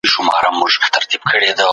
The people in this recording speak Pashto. موږ به سبا نوې نسخه وګورو.